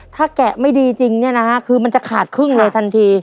ถ้าแกะไม่ดีจริงเนี่ยนะฮะคือมันจะขาดครึ่งเลยทันที